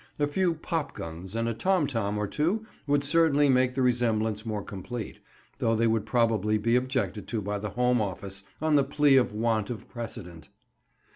A few pop guns and a tom tom or two would certainly make the resemblance more complete, though they would probably be objected to by the Home Office on the plea of want of precedent.